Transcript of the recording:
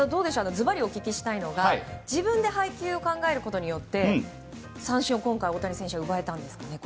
ずばりお聞きしたいのが自分で配球を考えることによってこれだけの三振を大谷選手が奪えたんですかね。